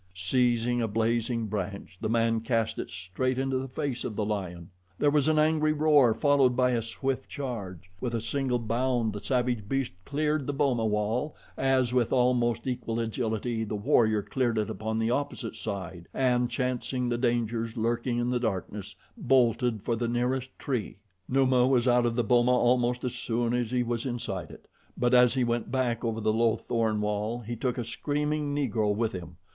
Seizing a blazing branch the man cast it straight into the face of the lion. There was an angry roar, followed by a swift charge. With a single bound the savage beast cleared the boma wall as, with almost equal agility, the warrior cleared it upon the opposite side and, chancing the dangers lurking in the darkness, bolted for the nearest tree. Numa was out of the boma almost as soon as he was inside it; but as he went back over the low thorn wall, he took a screaming negro with him.